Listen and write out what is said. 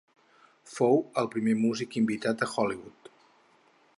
Fou el primer músic invitat a Hollywood.